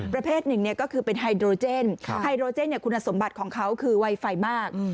ประเภทหนึ่งก็คือเป็นไฮโดรเจนไฮโดรเจนคุณสมบัติของเขาคือไวไฟมาก